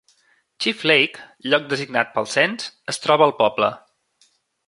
Chief Lake, lloc designat pel cens, es troba al poble.